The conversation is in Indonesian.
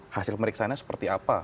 hasil pemeriksanya seperti apa